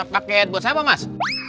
paket buat siapa mas